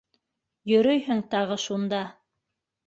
— Йөрөйһөң тағы шунда!